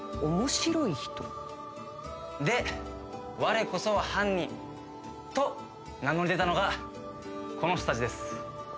でわれこそは犯人と名乗り出たのがこの人たちです。